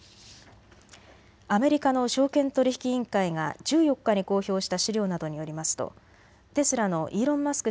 アメリカの証券取引委員会が１４日に公表した資料などによりますとテスラのイーロン・マスク